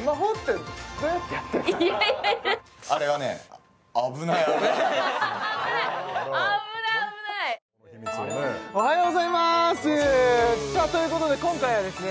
いやいやいや危ない危ない危ないおはようございますさあということで今回はですね